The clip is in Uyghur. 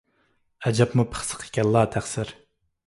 ئەجەبمۇ پىخسىق ئىكەنلا، تەقسىر.